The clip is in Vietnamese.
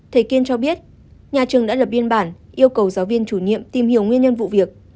thầy kiên cho biết nhà trường đã lập biên bản yêu cầu giáo viên chủ nhiệm tìm hiểu nguyên nhân vụ việc